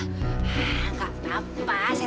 ini semua lampuan smith